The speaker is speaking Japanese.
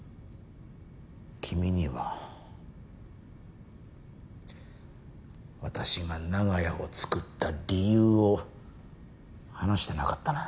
君には私が長屋を作った理由を話してなかったな。